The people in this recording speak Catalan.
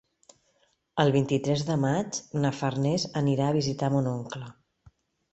El vint-i-tres de maig na Farners anirà a visitar mon oncle.